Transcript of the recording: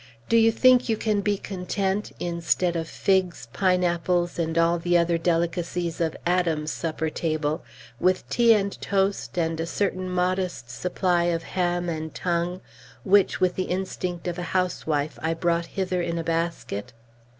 Do you think you can be content, instead of figs, pineapples, and all the other delicacies of Adam's supper table, with tea and toast, and a certain modest supply of ham and tongue, which, with the instinct of a housewife, I brought hither in a basket?